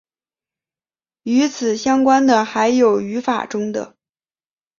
与此相关的还有法语中的。